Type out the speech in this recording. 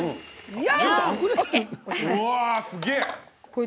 うわー、すげえ！